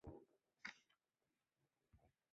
该种分布于台湾等地。